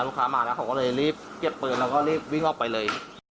มาแล้วเขาก็เลยรีบเก็บปืนแล้วก็รีบวิ่งออกไปเลย